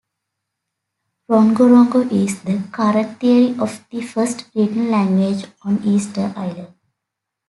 Rongorongo is the current theory of the first written language on Easter Island.